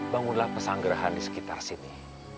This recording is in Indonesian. bangunlah pesanggerahan di sekitar sini